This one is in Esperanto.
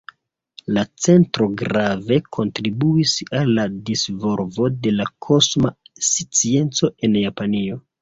La centro grave kontribuis al la disvolvo de la kosma scienco en Japanio.